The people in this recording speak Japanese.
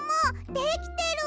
できてる！